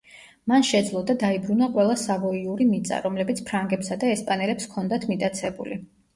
მან შეძლო და დაიბრუნა ყველა სავოიური მიწა, რომლებიც ფრანგებსა და ესპანელებს ჰქონდათ მიტაცებული.